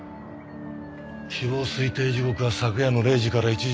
死亡推定時刻は昨夜の０時から１時の間。